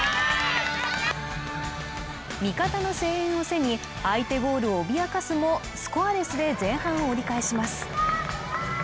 味方の声援を背に、相手ゴールを脅かすもスコアレスで前半を折り返します。